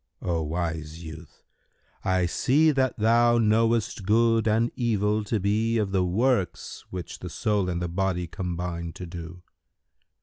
"—"O wise youth, I see that thou knowest good and evil to be of the works which the soul and the body combine to do.